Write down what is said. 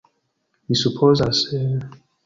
Mi supozas...